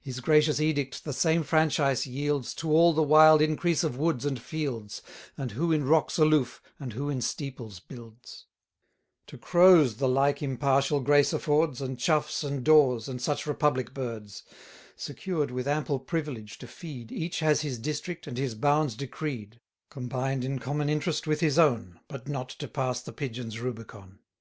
His gracious edict the same franchise yields To all the wild increase of woods and fields, And who in rocks aloof, and who in steeples builds: 1250 To Crows the like impartial grace affords, And Choughs and Daws, and such republic birds: Secured with ample privilege to feed, Each has his district, and his bounds decreed; Combined in common interest with his own, But not to pass the Pigeon's Rubicon.